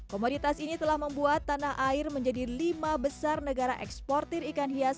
komoditas ini telah membuat tanah air menjadi lima besar negara eksportir ikan hias